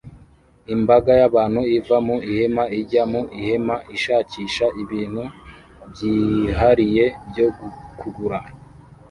Imbaga y'abantu iva mu ihema ijya mu ihema ishakisha ibintu byihariye byo kugura